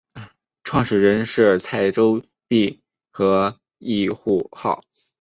创始人是徐载弼和尹致昊。